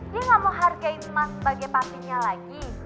dia ga mau hargai mas sebagai papinya lagi